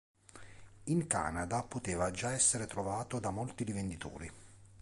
In Canada, poteva già essere trovato da molti rivenditori.